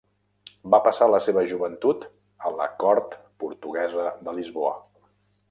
Va passar la seva joventut a la cort portuguesa de Lisboa.